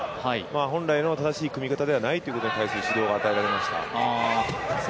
本来の正しい組み方ではないということに対する指導が与えられました。